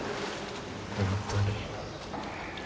本当に。